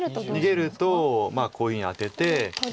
逃げるとこういうふうにアテて。